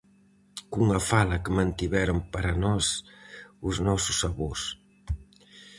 Cunha fala que mantiveron para nós os nosos avós.